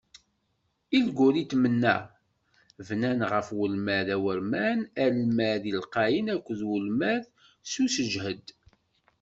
Ilguritmen-a, bnan ɣef ulmad awurman, Almad lqayen akked ulmad s useǧhed.